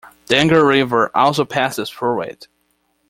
The Anger river also passes through it.